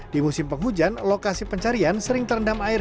di musim penghujan lokasi pencarian sering terendam air